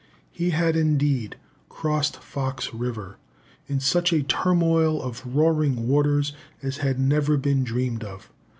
He had indeed "crossed Fox River" in such a turmoil of roaring waters as had never been dreamed of.